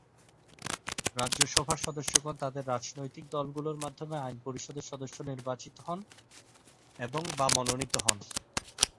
রাজ্যসভার সদস্যগণ তাদের রাজনৈতিক দলগুলির মাধ্যমে আইন পরিষদের সদস্য নির্বাচিত হন এবং/বা মনোনীত হন।